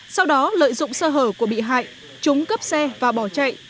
sau đó lợi dụng sơ hở của bị hại chúng cướp xe và bỏ chạy